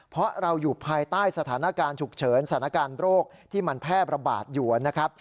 เพราะเราอยู่ภายใต้สถานการณ์ฉุกเฉินสถานการณ์โรคที่มันแพร่ระบาดอยู่นะครับ